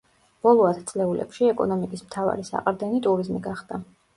ბოლო ათწლეულებში, ეკონომიკის მთავარი საყრდენი ტურიზმი გახდა.